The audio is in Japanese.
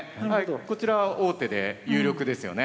こちらは王手で有力ですよね。